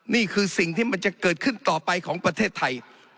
นี่คือสิ่งที่มันจะเกิดขึ้นต่อไปของประเทศไทย